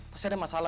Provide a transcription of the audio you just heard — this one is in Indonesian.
pasti ada masalah ya